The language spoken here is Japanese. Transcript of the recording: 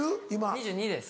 ２２歳です。